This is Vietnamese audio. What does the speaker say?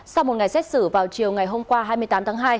sau một ngày xét xử vào chiều ngày hôm qua hai mươi tám tháng hai